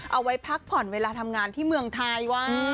เอาไว้พักผ่อนเวลาทำงานที่เมืองไทยว่ะ